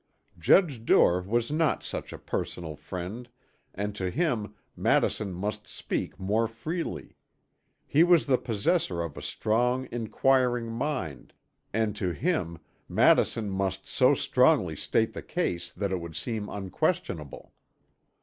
Judge Duer was not such a personal friend and to him Madison must speak more freely; he was the possessor of a strong inquiring mind, and to him, Madison must so strongly state the case that it would seem unquestionable.